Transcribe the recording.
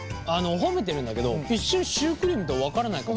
褒めてるんだけど一瞬シュークリームとは分からないかも。